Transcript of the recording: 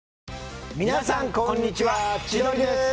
皆さんこんにちは千鳥です